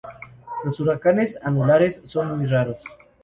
Los huracanes anulares son muy raros.